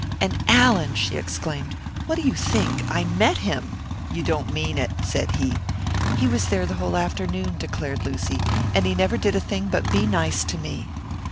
"And Allan," she exclaimed, "what do you think, I met him!" "You don't mean it!" said he. "He was there the whole afternoon!" declared Lucy. "And he never did a thing but be nice to me!"